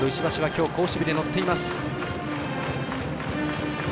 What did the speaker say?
きょう好守備で乗っています。